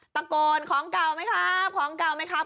ตะโกนของเก่าไหมครับ